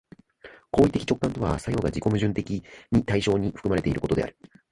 行為的直観とは作用が自己矛盾的に対象に含まれていることである。